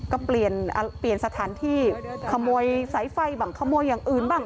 ก็เปลี่ยนสถานที่ขโมยสายไฟบ้างขโมยอย่างอื่นบ้าง